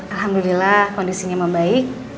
alhamdulillah kondisinya membaik